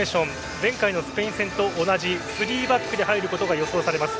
前回のスペイン戦と同じ３バックで入ることが予想されます。